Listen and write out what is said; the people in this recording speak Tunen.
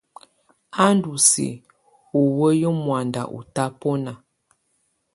A ndɔ siǝ́ u wǝ́yi muanda ɔ tabɔna.